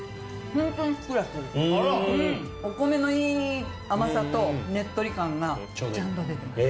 お米のいい甘さとねっとり感がちゃんと出てます。